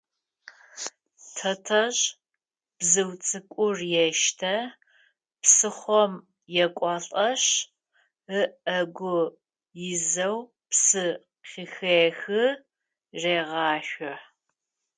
Тэтэжъ бзыу цӏыкӏур ештэ, псыхъом екӏуалӏэшъ, ыӏэгу изэу псы къыхехы, регъашъо.